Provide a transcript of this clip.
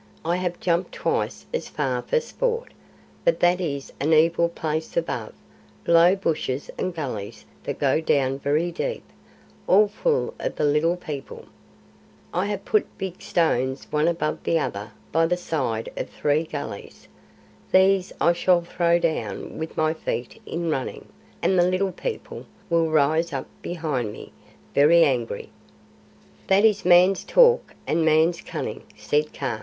"I have jumped twice as far for sport; but that is an evil place above low bushes and gullies that go down very deep, all full of the Little People. I have put big stones one above the other by the side of three gullies. These I shall throw down with my feet in running, and the Little People will rise up behind me, very angry." "That is Man's talk and Man's cunning," said Kaa.